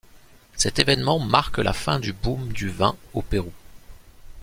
Cet événement marque la fin du boom du vin au Pérou.